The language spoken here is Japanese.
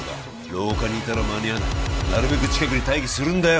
廊下にいたら間に合わないなるべく近くに待機するんだよ